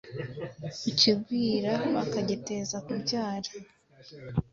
kukigwira bakagiteza kubyara.